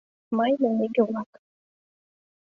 Маймыл иге-влак!